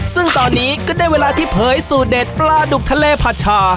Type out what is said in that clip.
ซึ่งตอนนี้ก็ได้เวลาที่เผยสูตรเด็ดปลาดุกทะเลผัดชา